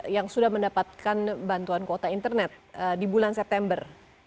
yang sudah mendapatkan bantuan kuota internet di bulan september